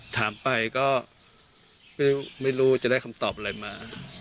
ถามไปก็ไม่รู้จะได้คำตอบอะไรมา